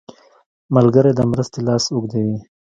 ملګری د مرستې لاس اوږدوي